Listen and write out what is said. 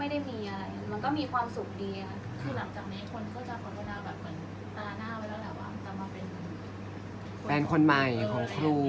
อันไหนที่มันไม่จริงแล้วอาจารย์อยากพูด